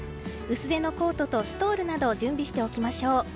薄手のコートとストールなどを準備しておきましょう。